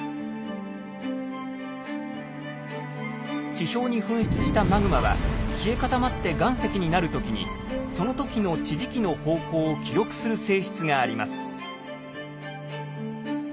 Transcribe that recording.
地表に噴出したマグマは冷え固まって岩石になる時にその時の地磁気の方向を記録する性質があります。